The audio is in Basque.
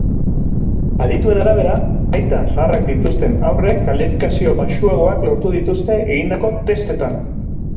Adituen arabera, aita zaharrak dituzten haurrek kalifikazio baxuagoak lortu dituzte egindako testetan.